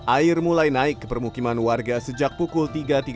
air mulai naik ke permukiman warga sejak pukul tiga tiga puluh